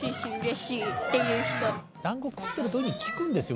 だんご食ってる時に聞くんですよ。